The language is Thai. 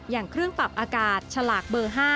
อย่างเครื่องปรับอากาศฉลากเบอร์๕